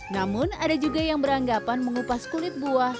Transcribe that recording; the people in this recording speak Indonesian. namun ada juga yang beranggapan mengupas kulit buah